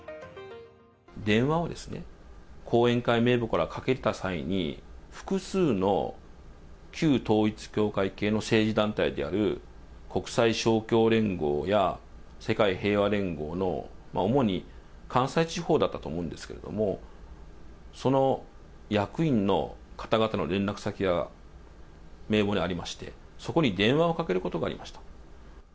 電話をですね、後援会名簿からかけた際に、複数の旧統一教会系の政治団体である、国際勝共連合や、世界平和連合の、主に関西地方だったと思うんですけれども、その役員の方々の連絡先が名簿にありまして、そこに電話をかけることがありました。